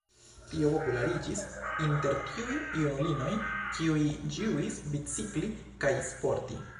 Tio populariĝis inter tiuj junulinoj, kiuj ĝuis bicikli kaj sporti.